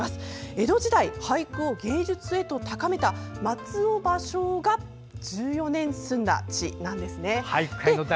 江戸時代、俳句を芸術へと高めた松尾芭蕉が１４年住んだ地です。